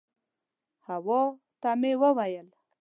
حوا ته مې وویل.